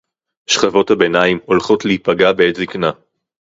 שכבות הביניים הולכות להיפגע בעת זיקנה